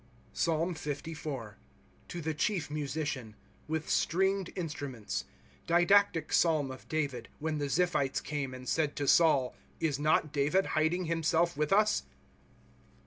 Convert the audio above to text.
PSALM LIT. To the chief Musician. With stringed inatnimenta. Didactic [Psalm] of David, whcu the Ziphites came, and said to Saul : Is riot David hiding himself with us